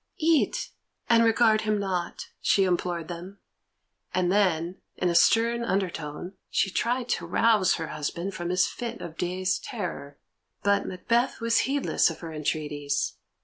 "Eat, and regard him not," she implored them, and then, in a stern undertone, she tried to rouse her husband from his fit of dazed terror. But Macbeth was heedless of her entreaties.